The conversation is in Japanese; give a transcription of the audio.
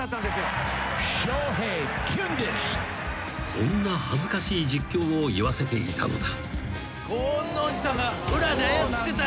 ［こんな恥ずかしい実況を言わせていたのだ］